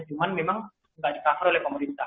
cuma memang tidak di cover oleh pemerintah